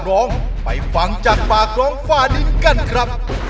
ขอธิบายครับ